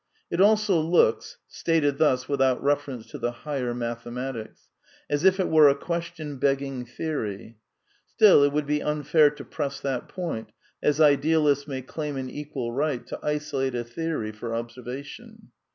It also looks (stated thus without reference to the higher mathematics) as if it were a ques tion begging theory. Still, it would be unfair to press that point, as idealists may claim an equal right to isolate a theory for observation.